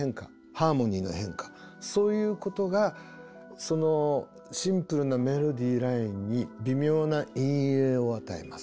ハーモニーの変化そういうことがそのシンプルなメロディーラインに微妙な陰影を与えます。